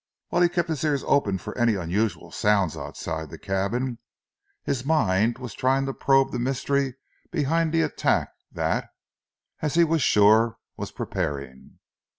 Whilst he kept his ears open for any unusual sounds outside the cabin, his mind was trying to probe the mystery behind the attack that, as he was sure, was preparing.